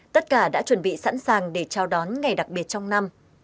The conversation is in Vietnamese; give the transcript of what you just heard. tất cả đã chuẩn bị sẵn sàng để chào đón ngày đặc biệt trong năm